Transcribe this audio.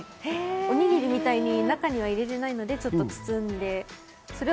おにぎりみたいに中には入れられないので、ちょっと包んで。